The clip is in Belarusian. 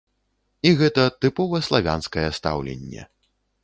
І гэта тыпова славянскае стаўленне.